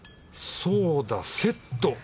そうだセット！